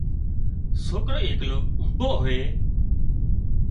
سوڪرو ايڪلو اوڀو هوئي